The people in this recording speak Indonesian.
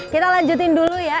kita lanjutin dulu ya